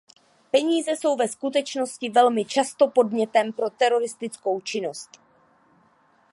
Peníze jsou ve skutečnosti velmi často podnětem pro teroristickou činnost.